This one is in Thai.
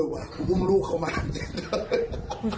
ว้าวอนุ่มลูกเขามาเหมือนชื่นด้วย